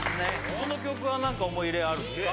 この曲は何か思い入れあるんですか？